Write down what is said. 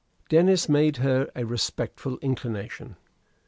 Denis made her a respectful inclination.